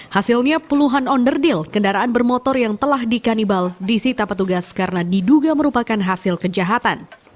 hasilnya puluhan onderdil kendaraan bermotor yang telah dikanibal disita petugas karena diduga merupakan hasil kejahatan